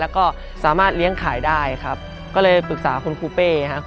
แล้วก็สามารถเลี้ยงขายได้ครับก็เลยปรึกษาคุณครูเป้ครับ